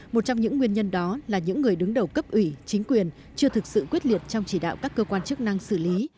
một trong những nguyên nhân đó là những người đứng đầu cấp ủy chính quyền chưa thực sự quyết liệt trong chỉ đạo các cơ quan chức năng xử lý